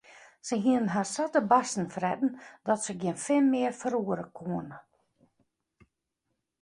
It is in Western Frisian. Se hiene har sa te barsten fretten dat se gjin fin mear ferroere koene.